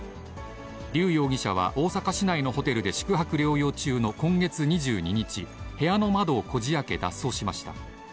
劉容疑者は、大阪市内のホテルで宿泊療養中の今月２２日、部屋の窓をこじあけ、脱走しました。